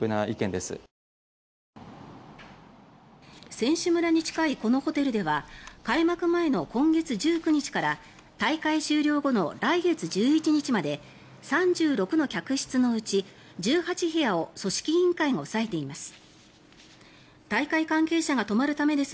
選手村に近いこのホテルでは開幕前の今月１９日から大会終了後の来月１１日まで３６の客室のうち１８部屋を組織委員会が押さえています。